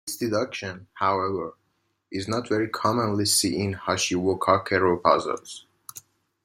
This deduction, however, is not very commonly seen in "Hashiwokakero" puzzles.